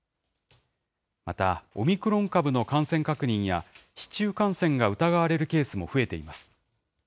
またオミクロン株の感染確認や、市中感染が疑われるケースも増えています。